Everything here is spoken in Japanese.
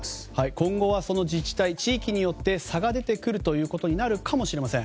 今後はその自治体地域によって差が出てくるということになるかもしれません。